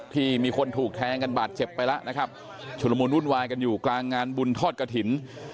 ที่มีคนถูกแทงกันบาดเจ็บไปแล้วนะครับชุดละมุนวุ่นวายกันอยู่กลางงานบุญทอดกระถิ่น